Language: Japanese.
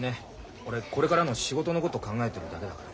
俺これからの仕事のこと考えてるだけだから。